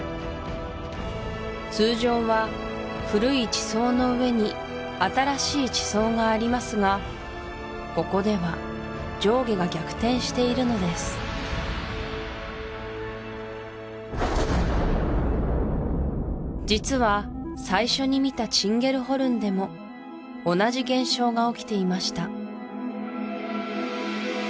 通常は古い地層の上に新しい地層がありますがここでは上下が逆転しているのです実は最初に見たチンゲルホルンでも同じ現象が起きていました